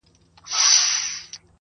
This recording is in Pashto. نور پخلا یو زموږ او ستاسي دي دوستي وي؛